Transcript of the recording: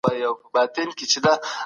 زه په پښتو ژبي کي خپل نوم ليکم.